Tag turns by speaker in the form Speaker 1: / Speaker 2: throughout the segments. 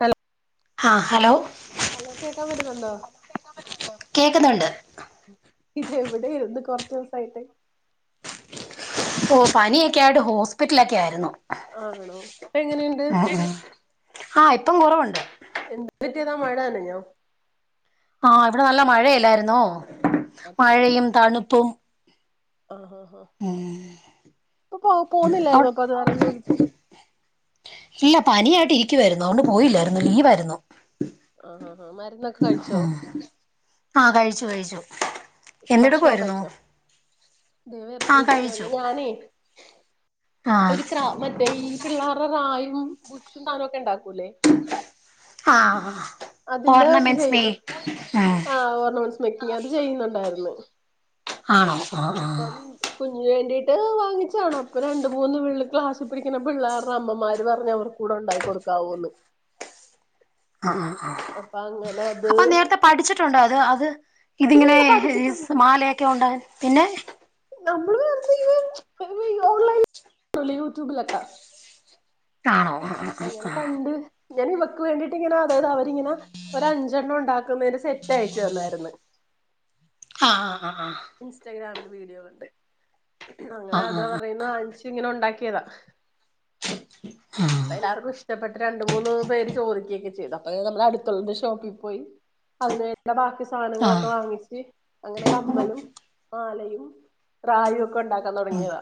Speaker 1: Hello
Speaker 2: ആ hello
Speaker 1: hello കേ കേക്കാൻ പറ്റുന്നുണ്ടോ
Speaker 2: കേക്കുന്നുണ്ട്
Speaker 1: ഇത് എവിടെ ഇരുന്ന് കൊറച്ച ദിവസായിട്ട്
Speaker 2: ഓ പനിയൊക്കെ ആയിട്ട് ഹോസ്പിറ്റലൊക്കെ ആയിരുന്നു
Speaker 1: ആണോ അപ്പൊ എങ്ങനെയുണ്ട്
Speaker 2: ആഹ് ഇപ്പം കുറവുണ്ട്
Speaker 1: എന്തറ്റേതാ മഴയാണ് ഞാ
Speaker 2: ആഹ ഇവിടെ നല്ല മഴയില്ലായിരുന്നോ മഴയും തണുപ്പും
Speaker 1: ആഅ അ ഇപ്പൊ പോ
Speaker 2: അവി
Speaker 1: പോന്നില്ലായിരുന്നു [unintelligible] ജോലിക്ക്
Speaker 2: ഇല്ല പനിയായിട്ട് ഇരിക്കുവായിരുന്നു അതുകൊണ്ട് പോയില്ലായിരുന്നു ലീവായിരുന്നു
Speaker 1: ആഹ് ആഹ് ആഹ് മരുന്നൊക്കെ കഴിച്ചോ
Speaker 2: ആ ആഹ കഴിച്ചു കഴിച്ചു എന്ട
Speaker 1: ഭക്ഷണൊക്കെ
Speaker 2: പോയിരുന്നു
Speaker 1: കഴിച്ചോ ദേ വെറുതെ
Speaker 2: ആഹ കഴിച്ചു
Speaker 1: ഇരിക്കുവായിരുന്നു ഞാനേ
Speaker 2: ആഹ്
Speaker 1: ഒരു ക്ര മറ്റേ ഈ പിള്ളേരുടെ റായും ബുഷും താനമ ഒക്കെ ഉണ്ടാ
Speaker 2: ആഹ
Speaker 1: അതിന്റെ ഇത് ചെയ്യുന്നു
Speaker 2: ഉം
Speaker 1: ആ ഓർണമെന്റ്സ് മേക്കിങ് അത് ചെയ്യുന്നുണ്ടായിരുന്നു
Speaker 2: ആണോ ആ ആ
Speaker 1: വേണ്ടീട്ട് വാങ്ങിച്ചതാണ് അപ്പ രണ്ട മൂന്ന് പിള്ള ക്ലാസ്സിൽ പിടിക്കുന്ന പിള്ളേരുടെ അമ്മമാര് പറഞ്ഞ അവർ കൂടെ ഉണ്ടായി കൊടുക്കാവോന്ന്
Speaker 2: അ അ അ
Speaker 1: അപ്പൊ അങ്ങനെ അത്
Speaker 2: അപ്പൊ നേരത്തെ പഠിച്ചിട്ടുണ്ട് അത് അത് ഇതിങ്ങനെ
Speaker 1: ഇല്ലില്ല പഠിച്ചിട്ടുണ്ട്
Speaker 2: മാലയൊക്കെ ഉണ്ട് പിന്നെ
Speaker 1: നമ്മള് വ ഓൺലൈൻ യൂട്യൂബിലൊക്കെ
Speaker 2: ആണോ ആ ആ
Speaker 1: അങ്ങനെ
Speaker 2: ആ
Speaker 1: കണ്ട് ഞാൻ ഇവക്ക് വേണ്ടിട്ട് ഇങ്ങനെ അതായത് അവരിങ്ങനെ ഒ അഞ്ചെണ്ണം ഉണ്ടാക്കുന്നര് സെറ്റ് അയച്ചു തന്നായിരുന്ന് [inaudible]
Speaker 2: ആഹ ആ
Speaker 1: ഇൻസ്റ്റഗ്രാമില് വീഡിയോ കണ്ട്
Speaker 2: ആഹ്
Speaker 1: അങ്ങനെ അത്
Speaker 2: ആഹ്
Speaker 1: അവർടെയ്യീന്ന് വാങ്ങിച്ച് ഇങ്ങനെ ഒണ്ടാക്കിയതാ അപ്പ
Speaker 2: ആഹ്
Speaker 1: എല്ലാവർക്കും ഇഷ്ടപ്പെട്ട് രണ്ട് മൂന്ന് പേര് ചോദിക്കൊക്കെ ചെയ്തു അപ്പ നമ്മുടെ അടുത്തൊള്ളൊരു ഷോപ്പി പോയി അതിനുവേണ്ട ബാക്കി സാ ധനങ്ങളൊക്കെ
Speaker 2: ആഹ്
Speaker 1: വാങ്ങിച്ച് അങ്ങനെ കമ്മലും മാലയും റായും ഒക്കെ എണ്ടാക്കാൻ തൊടങ്ങിയത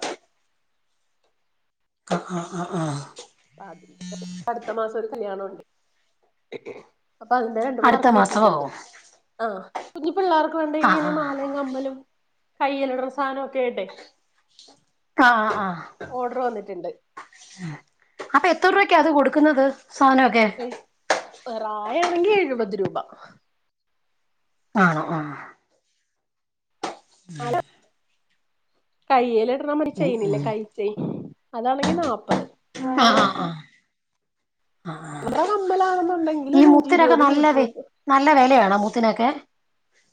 Speaker 2: ആ ആ ആ ആ
Speaker 1: അ അതി അടുത്ത മാസം ഒരു കല്യാണുണ്ട് അപ്പൊ അതിന്റെ രണ്ട് മൂന്ന്
Speaker 2: അടുത്ത
Speaker 1: വർക്ക്
Speaker 2: മാസമോ
Speaker 1: കിട്ടീട്ടെണ്ട് ആ കുഞ്ഞി പിള്ളേർക്ക് വേണ്ടി
Speaker 2: ആഹ്
Speaker 1: ഇങ്ങനീ
Speaker 2: ആഹ്
Speaker 1: മാലയും കമ്മലും കൈയിലടണ സാധനൊക്കെ ആയിട്ടേ
Speaker 2: ആ ആ അപ്പൊ എത്ര രൂപക്ക അത് കൊടുക്കുന്നത് സാനൊക്കെ
Speaker 1: റായാണെങ്കി എഴുപത് രൂപ
Speaker 2: ആണോ ആ
Speaker 1: [unintelligible] കയ്യിൽ ഇടണമടി
Speaker 2: ഉം
Speaker 1: ചെയ്നില്ലേ
Speaker 2: ഉം
Speaker 1: കൈചെയ്ൻ അതാണെങ്കി നാല്പത്
Speaker 2: ആഹ് ആഹ് ആഹ്
Speaker 1: [unintelligible] കമ്മലാണെന്നുണ്ടെങ്കി
Speaker 2: ഈ മുത്തിനൊക്കെ നല്ല വെ നല്ല വെലയാണോ മുത്തിനൊക്കെ?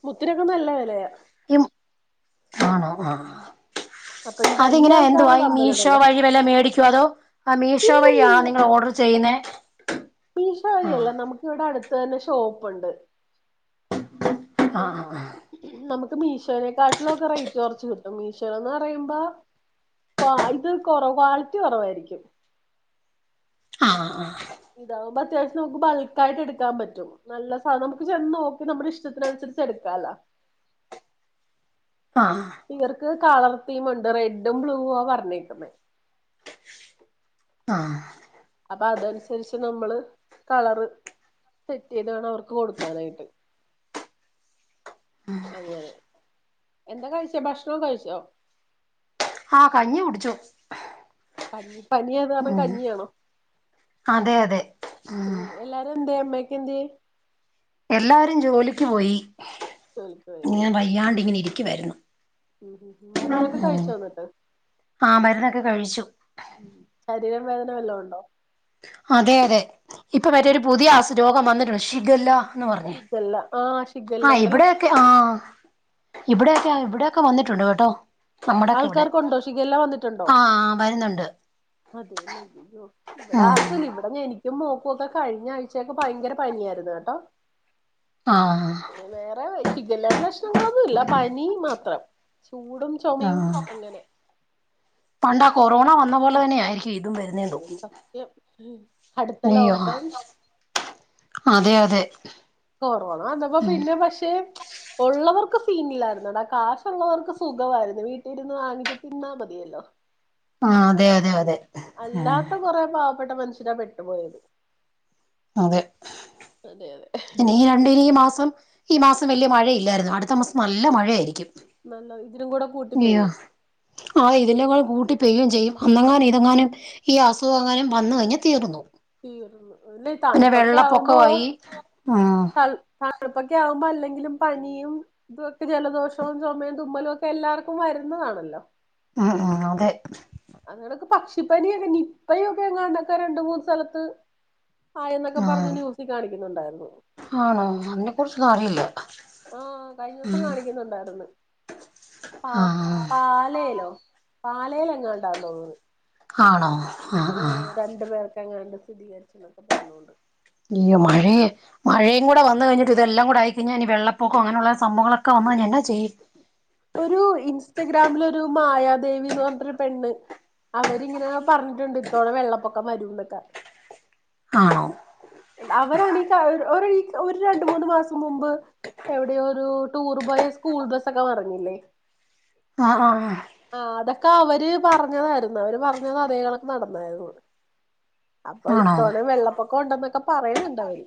Speaker 1: മുത്തിനൊക്കെ നല്ല വെലയാ.
Speaker 2: ആ
Speaker 1: അ
Speaker 2: അതിങ്ങനെ എന്തുവാഈ മീഷോ വഴി വല്ല മേടിക്കോ അതോ ആ
Speaker 1: ഈ
Speaker 2: മീഷോ വഴിയാണോ നിങ്ങളോഡറ് ചെയ്യുന്നേ
Speaker 1: മീഷോ
Speaker 2: ആഹ്
Speaker 1: വഴിയല്ല നമുക്ക് ഇവിടെ അടുത്ത് തന്നെ ഷോപ്പുണ്ട് അപ്പം
Speaker 2: ആഹ് ആഹ്
Speaker 1: നമു ക്ക് മീഷോനെക്കാട്ടിലൊക്കെ റേറ്റ് കൊറച്ച് കിട്ടും മീഷോയെന്ന് പറയുമ്പ കൊ ഇത് കൊറവ ക്വാളിറ്റി കൊറവായിരിക്കും
Speaker 2: ആ ആ
Speaker 1: ഇതാവുമ്പ അത്യാവശ്യം നമുക്ക് ബൾക്കായിട്ട് എടുക്കാൻ പറ്റും നല്ല സാധനം നമുക്ക് ചെന്ന് നോക്കി നമ്മുടെ ഇഷ്ടത്തിനുസരി ച്ച് എടുക്കാല്ല
Speaker 2: ആ
Speaker 1: ക്ക് കളർതിം ഒണ്ട് റെഡും ബ്ലൂവുവാ പറഞ്ഞേക്കുന്നെ
Speaker 2: ആ
Speaker 1: അപ്പൊ അതൻ സെറ്റ് ചെയ്ത് വേണം അവർക്ക് കൊടുക്കാനായിട്ട് അങ്ങനെ എന്താ കഴിച്ചെ ഭക്ഷണോ കഴിച്ചോ
Speaker 2: ആഹ് കഞ്ഞി കുടിച്ചു
Speaker 1: കഞ്ഞി പനി ആയതു കാരണം കഞ്ഞിയാണോ
Speaker 2: അതെ അതെ
Speaker 1: ഇം എല്ലാരും എന്തേ അമ്മേ ക്കെന്തിയെ
Speaker 2: എല്ലാരും ജോലിക്ക് പോയി
Speaker 1: ജോലിക്ക് പോയില്ലേ
Speaker 2: ഇങ്ങനെ വയ്യാണ്ട് ഇങ്ങനെ ഇരിക്കുവാരുന്നു.
Speaker 1: ഉം ഉം ഉം. മരുന്നൊക്കെ കഴിച്ചോ എന്നിട്ട്
Speaker 2: ആ മരുന്നൊക്കെ കഴിച്ചു
Speaker 1: ഉം ശരീരം വേദന വെല്ലോം ഒണ്ടോ
Speaker 2: അതെ അതെ ഇപ്പൊ വരെ പുതിയ അസു രോഗം വന്നിട്ടുണ്ട് ശിഗല്ല
Speaker 1: ശിഗല്ല ആഹ്
Speaker 2: ആ ഇവിടെയൊക്കെ ആ ഇവിടെയൊക്കെ ഇവിടൊക്കെ വന്നിട്ടുണ്ട് കേട്ടോ നമ്മടൊക്കെ ഇവിടെ
Speaker 1: ആൾക്കാർക്കുണ്ടോ ഷിഗല്ല വന്നിട്ടുണ്ടോ
Speaker 2: ആ വരുന്നുണ്ട്
Speaker 1: അതെല്ലേ ഇയ്യോ
Speaker 2: ഉം
Speaker 1: ഇവിടാർക്കും ഇല്ല ഇവിടെ എനി ക്കും മോൾക്കൊക്കെ കഴിഞ്ഞ ആഴ്ച്ചക്കെ ഭയങ്കര പനിയായിരുന്നു കേട്ടോ.
Speaker 2: ആ
Speaker 1: വേറെ ശിഗല്ലയുടെ ലക്ഷണങ്ങളൊന്നു ഇല്ല പനി മാത്രം ചൂടും
Speaker 2: ആ
Speaker 1: ചുമയും അങ്ങനെ
Speaker 2: പണ്ടാ കൊറോണ വന്ന പോലെ തന്നെ ആയിരിക്കും ഇതും വരുന്നുന്നത്
Speaker 1: പക്കെ അടുത്ത
Speaker 2: അയ്യോ
Speaker 1: ലോക്ക്ഡൗൺ
Speaker 2: അതെ അതെ
Speaker 1: കൊറോണ വന്നപ്പോ പിന്നെ പക്ഷെ ഉള്ളതൊക്കെ ഇല്ലായിരുന്നു ടാ കാശുള്ളവർക്ക് സുഖമായിരുന്നു വീട്ടില ഇരുന്ന് വാങ്ങിച്ചച്ച് തിന്നാ മതിയല്ലോ
Speaker 2: ആ അതെ അതെ അതെ ആ
Speaker 1: അല്ലാത്ത കൊറെ പാവപ്പെട്ട മനുഷ്യന പെട്ടുപോയത്
Speaker 2: അതെ
Speaker 1: അതെ അതെ
Speaker 2: ഇനി രണ്ടു മാസം ഈ മാസം വലിയ മഴയില്ലായിരുന്നു അടുത്ത മാസം നല്ല മഴയായിരിക്കും.
Speaker 1: നല്ല ഇതിനും കൂടെ
Speaker 2: അയ്യോ
Speaker 1: കൂട്ടിപ്പോയും
Speaker 2: ആ ഇതിന്റെ കൂടെ കൂട്ടി പെയ്യയും ചെയ്യും അന്നങ്ങാനും ഇതങ്ങാനും ഈ അസുഖം അങ്ങാനും വന്ന കഴിഞ്ഞഞ് തീർന്നു
Speaker 1: തീർന്നു ഇല്ലെ
Speaker 2: പിന്നെ
Speaker 1: തണുപ്പൊക്കെ ആവുമ്പോ
Speaker 2: വെള്ളപ്പൊക്കവായി ഉം
Speaker 1: ത- തണുപ്പൊക്കെ ആകുമ്പോൾ അല്ലെങ്കിലും പനിയും ഇതൊക്കെ ജലദോഷവും ചുമയും തുമ്മലും ഒക്കെ എല്ലാവർക്കും വരുന്ന അതാണല്ലോ
Speaker 2: ഹഹ അതെ
Speaker 1: അതോടൊക്കെ പക്ഷിപനി, നിപ്പ ഒക്കെ എങ്ങാണ്ടൊക്കെ രണ്ട മൂന്ന് സ്ഥലത്ത് ആ എന്നൊക്കെ പറഞ്ഞു
Speaker 2: ഉം
Speaker 1: ന്യൂസി കാണിക്കുന്നുണ്ടായിരുന്നു
Speaker 2: ആണോ അതിനെ കുറിച്ചൊന്നും അറിയില്ല
Speaker 1: ആഹ കഴിഞ്ഞ ദിവസം കാണിക്കുന്നുണ്ടായിന്ന് പാ
Speaker 2: ആഹ്
Speaker 1: പാലയിലോ പാലയില എങ്ങാ ഉണ്ടാന്ന് തോന്നുന്നത്
Speaker 2: ആണോ ആ! ആ!
Speaker 1: എങ്ങാണ്ട് സ്ഥികരിച്ച എന്നൊക്കെ പറഞ്ഞോൊണ്ട്
Speaker 2: അയ്യ മഴേ മഴേയും കൂടെ വന്ന കഴിഞ്ഞിട്ട് ഇതെല്ലാം കൂടെ ആയി കഴിഞ്ഞാ ഇനി വെള്ളപ്പൊം അങ്ങനുള്ള സംഭവങ്ങളൊക്കെ വ നമ്മ എന്നാ ചെയ്യും
Speaker 1: ഒരു ഇൻസ്റ്റഗ്രാമിൽ ഒരു മായാദേവിന്ന് പറഞ്ഞട്ടൊരു പെണ്ണ് അവരിങ്ങനെ- പറഞ്ഞിട്ടുണ്ട് ഇത്തോടെ വെള്ളപ്പൊക്കം വരുന്നൊക്കാ
Speaker 2: ആണോ!
Speaker 1: അവരാണ ഒരു രണ്ട മൂന്ന് മാസം മുമ്പ് എവിടെയോ- ഒരു ടൂർ ബോയ സ്കൂൾ ബസ്സൊക്കെ മറിഞ്ഞില്ലേ?
Speaker 2: ആഹ! ആഹ!
Speaker 1: ആഹ അതൊക്കെ അവര് പറഞ്ഞതായിരുന്നു അവര് പറഞ്ഞത് അതേകണക്ക് നടന്നായിരുന്നു അപ്പൊ
Speaker 2: ആണോ
Speaker 1: ഇത്തവണ വെള്ളപ്പൊക്കം ഉണ്ടന്നൊക്കെ- പറയണണ്ട് അവര്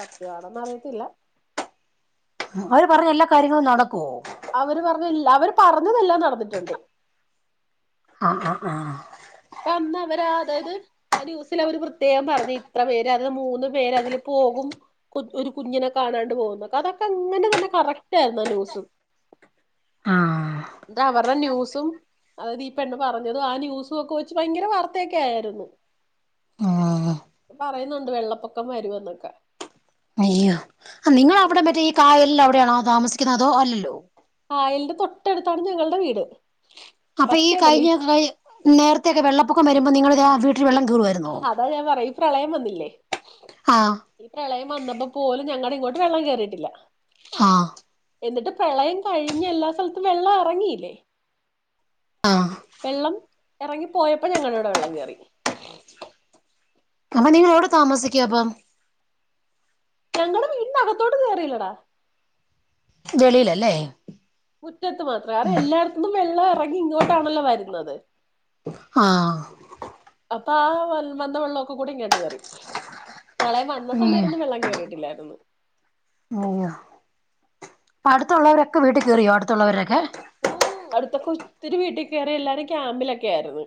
Speaker 1: സത്യവാണോ ന്ന അറിയത്തില്ല
Speaker 2: അവര് പറഞ്ഞ എല്ലാ കാര്യങ്ങളും നടക്കുവോ?
Speaker 1: അവര് പറഞ്ഞല്ല അവര് പറഞ്ഞതെല്ലാം നടന്നിട്ടുണ്ട്.
Speaker 2: ആഹ. ആഹ. ആഹ!
Speaker 1: അ അന്ന് അവര് അതായത് ആ ന്യുസിൽ അവര് പ്രത്യേകം പറഞ്ഞു ഇത്ര പേര് അത് മൂന്ന് പേര് അതില് പോകും ഒരു കുഞ്ഞിനെ കാണാണ്ട് പോകുന്നൊക്കെ അതൊക്കെ അങ്ങനെ തന്നെ കറക്റ്റായിരുന്നു ആ ന്യൂസും.
Speaker 2: ആഹ് ആഹ്
Speaker 1: [inaudible] ഇത് അവരുടെ ന്യൂസും അതായത് ഈ പെണ് പറഞ്ഞതും ആ ന്യൂസും ഒക്കെ- കുറിച്ചു ഭയങ്കര വാർത്തയൊക്കെ ആയിരുന്നു.
Speaker 2: ഉം
Speaker 1: പറയുന്നുണ്ട് വെള്ളപ്പൊക്കം വരുമന്നൊക്കെ.
Speaker 2: അയ്യോ! നിങ്ങ അവിടെ മറ്റേ ഈ കായലിൽ അവിടെയാണോ താമസിക്കുന്ന അതോ അല്ലല്ലോ
Speaker 1: ആ കായലിന്റെ. തൊട്ടടുത്താണ് ഞങ്ങളുടെ വീട്
Speaker 2: അപ്പൊ ഈ
Speaker 1: പക്ഷേ ഉണ്ടല്ലോ
Speaker 2: കഴിഞ്ഞ നേരത്തെക്കെ വെള്ളപ്പൊക്കം വരുമ്പോ നിങ്ങള-
Speaker 1: അതാ ഞാൻ പറയാ ഈ പ്രളയം വന്നില്ലേ
Speaker 2: ആഹ്
Speaker 1: ഈ പ്രളയം വന്നപ്പോ പോലും ഞങ്ങുടെ ഇങ്ങോട്ട് വെള്ളം കേറിയിട്ടില്ല.
Speaker 2: ആഹ!
Speaker 1: എന്നിട്ട് പ്രളയം കഴിഞ് എല്ലാ സ്ഥലത്തും വെള്ളം ഇറങ്ങില്ലേ.
Speaker 2: ആഹ!
Speaker 1: വെള്ളം ഇറങ്ങി പോയപ്പോ ഞങ്ങളിവിടെ വെള്ളം കേറി.
Speaker 2: അപ്പ നിങ്ങോടെ താമസിക്കുപ്പം
Speaker 1: ഞങ്ങള് വീടിനകത്തോട്ട് കയറിയില്ലടാ.
Speaker 2: ചെളിലല്ലേ
Speaker 1: മുറ്റത്ത് മാത്രം അത എല്ലായിടത്തനിന്നും വെള്ളം ഇറങ്ങി ഇങ്ങോട്ടാണല്ലോ വരുന്നത്.
Speaker 2: ആഹ!
Speaker 1: അപ്പൊ ആ വ വന്ന വെള്ളമൊക്കെ കൂടി ഇങ്ങാട്ട് കയറി പ്രളയം വന്ന
Speaker 2: ഉം
Speaker 1: സമയത്തൊന്നും വെള്ളം കയറിയിട്ടില്ല. ചലൂ [unintelligible]
Speaker 2: അപ്പ അടുത്തവൊക്കെ വീട്ടിൽ കയറിയോ അടുത്തുള്ളവരൊക്കെ
Speaker 1: ഉം അടുത്ത ഒത്തിരി വീട്ടിൽ കയറി എല്ലാരും ക്യാമ്പിലൊക്കെ ആയിരുന്നു.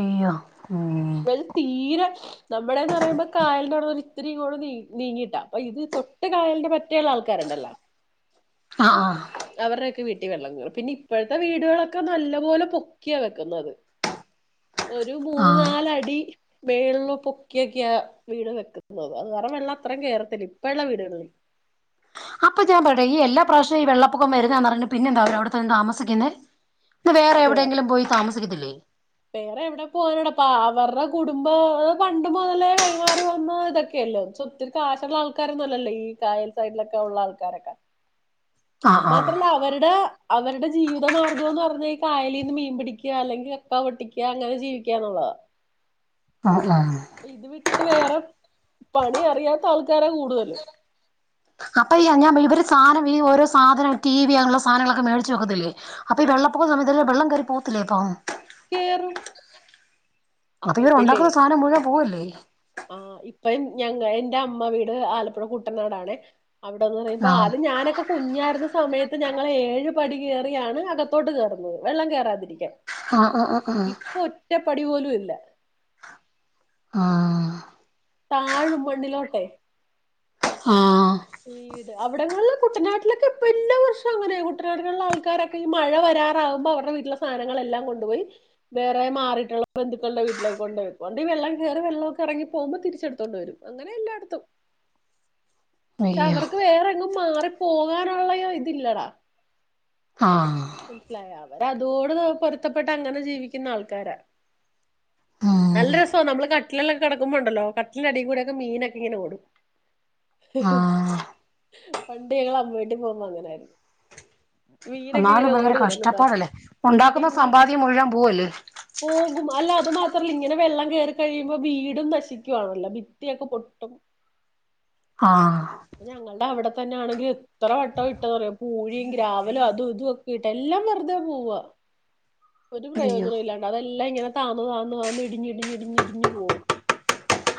Speaker 2: അയ്യോ! ഉം
Speaker 1: ഇവിടെ തീരെ നമ്മുടെന്ന് പറയുമ്പോ കായല ഇത്രരിയും കൂടെ നീ നീങ്ങിട്ടാ അപ്പൊ ഇത് തൊട്ട് കായലിന്റെ മറ്റേുള്ള ആൾക്കാരുണ്ടല്ലോ
Speaker 2: ആ ആ.
Speaker 1: അവരുടെയൊക്കെ വീട്ടിൽ വെള്ളം പിന്നെ ഇപ്പോഴത്തെ വീടുകളൊക്കെ നല്ല പോോലെ പൊക്കിയാ വെക്കുന്നത്. [inaudible] ഒരു മൂന്ന്
Speaker 2: ആഹ്
Speaker 1: നാലടി മേളില പൊക്കിയൊക്കെയ വീട് വെക്കുന്നത് അത് കാരണം വെള്ളത്ര ഇം കേറത്തില്ല ഇപ്പള്ള വീടുകളള്ളി
Speaker 2: അപ്പൊ ഞാൻ പറട എല്ലാ പ്രാവശ്യവും ഈ വെള്ളപ്പൊക്കം വരുന്നന്ന് പറഞ്ഞഞ് പിന്നെന്താ അവ അവിടു നിന്ന് താമസിക്കുന്നത് ഇന്ന് വേറെ എവിടെയെങ്കിലും പോയി താമസിക്കത്തില്ലേ
Speaker 1: വേറെ എവിടെ പോവാനടാ അപ്പ അവരുടെ കുടുംബ പണ്ട് മുതലേ കൈമാറി വന്ന ഇതൊക്കെ ഒത്തിരി കാശുള്ളള്ള ആൾക്കാരൊന്നുംുമല്ലല്ലേ ഈ കായൽ സൈഡിലൊക്കെ ഉള്ള ആൾക്കാരൊക്കെ
Speaker 2: ആഹ് ആഹ്
Speaker 1: മാത്രല്ല അവരുടെ അവരുടെ ജീവിതമാർഗം എന്ന് പറഞ്ഞാ ഈ കായലിൽീന്ന് മീൻ പിടിക്കുക അല്ലെങ്കിൽ കക്ക പൊട്ടിക്കുക അങ്ങനെ ജീവിക്കാന്നുള്ളതാ [inaudible]
Speaker 2: ആഹ ആഹ
Speaker 1: ് വേറെ പണി അറിയാത്ത ആൾക്കാരാ കൂടുതലും
Speaker 2: അപ്പൊ ഈ ഞാൻ ഇവര് സാധനം ഈ ഓരോ സാധന ടി വിിയ അാനുള്ള സധനങ്ങളൊക്കെ മേടച്ച് വെക്കത്തില്ലേ അപ്പൊ ഈ
Speaker 1: ആ
Speaker 2: വെള്ളപ്പൊകുന്ന സമയത്ത്ല്ല വെള്ളം കറി പോകത്തില്ലേ അപ്പ
Speaker 1: കേറ
Speaker 2: അത് ഇവരെ ഉണ്ടാക്കുന്ന സാധനം മുഴുവാൻ പോവല്ലേ
Speaker 1: ആ ഇപ്പൊ ഞങ്ങ എന്റെ അമ്മ വീട് ആലപ്പുഴ കുൂട്ടനാടാണേ അവിടെന്ന് പറയുമ്പ
Speaker 2: ആഹ്
Speaker 1: അത് ഞാനൊക്കെ കുഞ്ഞായിരുന്ന സമയത്ത് ഞങ്ങൾ ഏഴ് പടി കയറിയാണ് അകത്തോട്ട് കയറുന്നത് വെള്ളം കേയറാതിരിക്കാൻ
Speaker 2: ആഹ് ആഹ്
Speaker 1: ഇപ്പൊ ഒറ്റപ്പടി പോലും ഇല്ല
Speaker 2: ആഹ [unintelligible]
Speaker 1: താഴും മണ്ണ്ടിലോട്ടെ
Speaker 2: ആഹ
Speaker 1: വീട് അവിടെങ്ങളള്ള കുട്ടനാട്ടിലൊക്കെ ഇപ്പ ഒരു വർഷം അങ്ങനെ കുട്ടനാട്ടിലുള്ള ആൾക്കാരൊക്കെ ഈ മഴ വരാറാവുമ്പോ അവടെ വീട്ടില സാധനങ്ങളെല്ലാം കൊണ്ടപ പോയി വേറെ മാറിട്ടുള്ള ബന്ധുക്കള വീട്ടിലേ കൊണ്ട്ക്കുംണ്ട് വെം കയറി വെള്ളമ ഒക്ക ഇറങ്ങി പോകുമ്പോ തിരിച്ചെടുത്തൊണ്ട് വരും അങ്ങനെ എല്ലായിടത്തും പ
Speaker 2: അയ്യോ
Speaker 1: അവർക്ക് വേറെങ്ങും മാറി പോകാനുള്ള ഇതില്ലടാ
Speaker 2: ആഹ്
Speaker 1: മനസിലായ അവര അതോട് പൊരുത്തപ്പെട്ട അങ്ങനെ ജീവിക്കുന്ന ആൾക്കാരാ
Speaker 2: ഉം
Speaker 1: നല്ല രസമാണ് നമ്മള് കാട്ട കട്ടലിലൊക്കെിടക്കുമ്പോണ്ടല്ലോ കട്ടലി അടി കൂടെയൊക്കെ മീനൊക്കെ ഇങ്ങനെ കൂടും
Speaker 2: ആഹ്
Speaker 1: പണ്ട് ഞങ്ങ അമ്മ വീട്ടിൽ പോ്പോ അങ്ങനായിരുന്നു മീനൊക്കെ ഇങ്ങനെ
Speaker 2: എന്നാലും ഭയങ്കര
Speaker 1: ഓടി നടക്കുന്നതാ
Speaker 2: കഷ്ടപ്പാടല്ലേ ഉണ്ടാക്കുന്ന
Speaker 1: പിന്നെ
Speaker 2: സമ്പാദ്യം മുഴുവൻ പോവല്ലേ
Speaker 1: പോകും അല്ല അത മാത്ര ഇങ്ങനെ വെള്ളം കേറി കഴിയുമ്പോ വീടും നശിക്കുവാണല്ലോ ഭിത്തിയൊക്കെ പൊട്ടും
Speaker 2: ആഹ്
Speaker 1: ഞങ്ങളുടെ അവിടെ തന്നെ ആണെങ്കില എത്ര വട്ടം ഇട്ടന്ന് പറയാ പൂഴിയും ഗ്രാവലും അതും ഇതുംക്കെ ഇട്ട് എല്ലാം വെറുതെ പോവാുക [inaudible] ഒരു
Speaker 2: അയ്യോ
Speaker 1: പ്രയോജനം ഇല്ലാണ്ട് അതെല്ലാം ഇങ്ങനെ താന്നു താന്നു താന്നന്ന് ഇടിഞ്ഞഞ് ഇടിഞ്ഞഞ് ഇടിഞ്ഞഞ് ഇടിഞ്ഞഞ് പോകും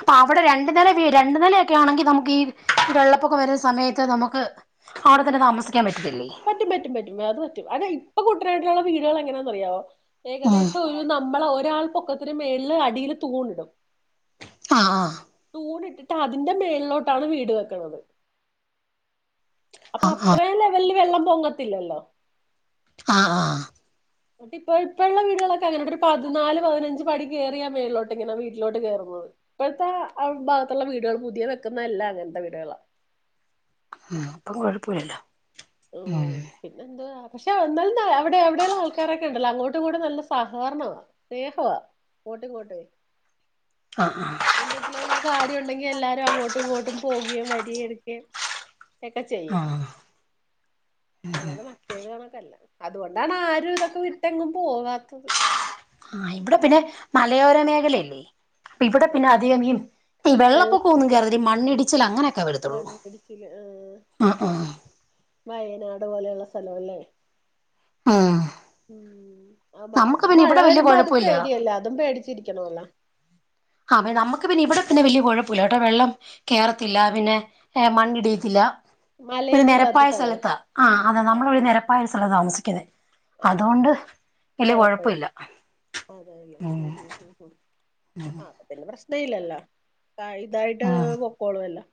Speaker 2: അപ്പൊ അവിടെ രണ്ടു നില രണ്ടു നിലൊക്കെ ആണെങ്കി നമുക്ക് ഈ ഒരു വെള്ളപ്പൊക്കം വരുന്ന സമയത്ത് നമുക്ക് അവിടെ തന്നെ താമസിക്ക
Speaker 1: പറ്റും പറ്റും പറ്റും അത് പറ്റും അ ഇപ്പൊ കുട്ടനായിട്ടുള്ള വീടുകൾ എങ്ങനെയാന്നറിയാവോ
Speaker 2: ഉം
Speaker 1: ഏകദേശം ഒരു നമ്മളെ ഒരാൾ പൊക്കത്തിന് മേല്ില് അടിയില് തൂണിടും
Speaker 2: ആ ആ
Speaker 1: പൂണ ഇട്ടിട്ട് അതിൻന്റെ മേളിലോട്ടാണ് വീട് വെക്കണത് അപ്പൊ
Speaker 2: ആഹ് ആഹ്
Speaker 1: അത്രയും ലെവലില് വെള്ളം പൊങ്ങത്തില്ലല്ലോ
Speaker 2: ആഹ ആഹ
Speaker 1: എന്നിട്ട് ഇപ്പ ഇപ്പപ്പോ ഉള്ള വീടുകളൊക്കെ അങ്ങനട്ട ഒരു പതിനാല് പതിനഞ്ച് പടി കയറിയ മേലിലോട്ട് ഇങ്ങന വീിലട്ട് കയറുന്നു ഇപ്പോഴത്തെ ആ ഭാഗത്തുള്ള വീടുകൾ പുതിയ വെക്കുന്നല്ല അങ്ങനത്തെ വീടുകൾ
Speaker 2: ഉ ഇപ്പം കോഴിപ്പൂരല്ലോ
Speaker 1: പിന്നെന്താ പക്ഷെ എന്നാല അവിടെ എവിടെയുള്ളള്ള ആൾക്കാരൊക്കെ ഉണ്ടല്ലോ അങ്ങോട്ടും ഇങ്ങോട്ടും നല്ല സഹകരണമാണ് സ്നേഹവാ അങ്ങോട്ട് ഇങ്ങോട്ട്
Speaker 2: ആഹ് ആഹ്
Speaker 1: എന്തെങ്കിലോ ഒരു കാര്യ ഉണ്ടെങ്കിൽ എല്ലാ അങ്ങോട്ടും ഇങ്ങോട്ടും പോകുകയും വരി എടുക്കുകയും ഒക്കെ ചെയ്യും
Speaker 2: ആഹ്
Speaker 1: അല്ലാടെ മറ്റേത് കണക്കല്ല അതുകൊണ്ടാണ് ആരും ഇതൊക്കെ വിട്ടെങ്ങും പോവാത്തത്
Speaker 2: ആഹ് ഇവിടെ പിന്നെ മലയോര മേഖലയല്ലേ ഇവിടെ
Speaker 1: അതെ
Speaker 2: പിന്നെ അധിക ഈ വെള്ളപ്പൊക്ക ഒന്നും കയറ മണ്ണിടിച്ചിൽ അങ്ങനെ
Speaker 1: മണ്ണ ഇടിച്ചില് ആ
Speaker 2: ആഹ്
Speaker 1: വയനാട് പോലെയുള്ള സ്ഥലം അല്ലേ
Speaker 2: ആ
Speaker 1: ഉം ആ നാടും മഴ
Speaker 2: വല്യ
Speaker 1: വരുമ്പോ അതും
Speaker 2: കൊഴപ്പല്ല
Speaker 1: പേടിയല്ലേ അതും പേടിച്ചിരിക്കണമല്ലോ
Speaker 2: ആ നമ്മുക്ക് പിന്നെ ഇവിടെ പിന്നെ വലിയ കുഴപ്പമില്ലട്ടൊ വെള്ളം കയറത്തില്ല പിന്നെ മണ്ണിടിയത്തില്ല ഒരു
Speaker 1: മലയൊന്നും ഇല്ലാത്ത
Speaker 2: നിരപ്പായ
Speaker 1: സ്ഥലം
Speaker 2: സ്ഥലത്താ അ
Speaker 1: ആഹ്
Speaker 2: നമ്മളൊരു നിരപ്പായ സ്ഥലത്താ താമസിക്കുന്നത്
Speaker 1: ആഹ്
Speaker 2: അതുകൊണ്ട് വല്ല്യ
Speaker 1: കൊഴപ്പല്ല
Speaker 2: കൊഴപ്പില്ല ഉ
Speaker 1: ആ അപ്പ പിന്നെ പ്രശ്നം ഇല്ലല്ലോ ഇതായിട്ട്
Speaker 2: ഉം
Speaker 1: പൊക്കോളുലോ